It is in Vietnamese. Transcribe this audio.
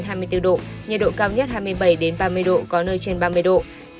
nhiệt độ cao nhất hai mươi bảy ba mươi độ có nơi trên ba mươi độ